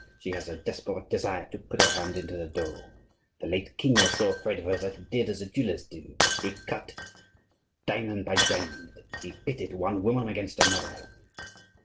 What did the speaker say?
She has a desperate desire to put her hand into the dough. The late king was so afraid of her that he did as the jewellers do, he cut diamond by diamond, he pitted one woman against another.